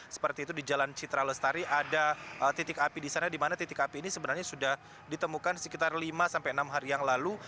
seperti itu di jalan citralestari ada titik api di sana dimana titik api ini sebenarnya sudah ditemukan sekitar lima enam hari yang lalu